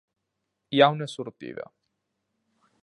Hi ha una sortida.